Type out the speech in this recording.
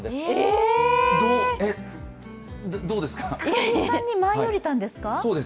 高木さんに舞い降りたんですか？